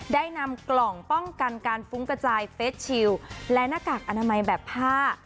ได้นำกล่องป้องกันการฟุ้งกระจายเฟสชิลและหน้ากากอนามัยแบบผ้า